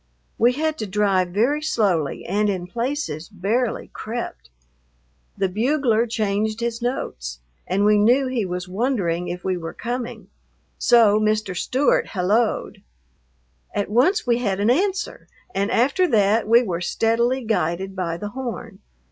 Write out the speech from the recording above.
We had to drive very slowly and in places barely crept. The bugler changed his notes and we knew he was wondering if we were coming, so Mr. Stewart helloed. At once we had an answer, and after that we were steadily guided by the horn.